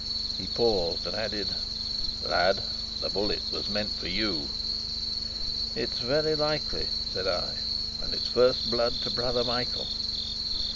He paused and added: "Lad, the bullet was meant for you." "It is very likely," said I, "and it's first blood to brother Michael."